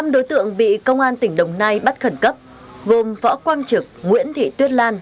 năm đối tượng bị công an tỉnh đồng nai bắt khẩn cấp gồm võ quang trực nguyễn thị tuyết lan